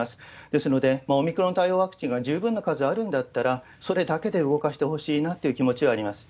ですので、オミクロン対応ワクチンが十分な数あるんだったら、それだけで動かしてほしいなという気持ちはあります。